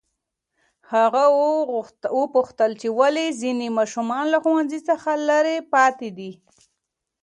هغه وپوښتل چې ولې ځینې ماشومان له ښوونځي څخه لرې پاتې دي.